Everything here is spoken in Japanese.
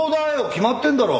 決まってんだろ！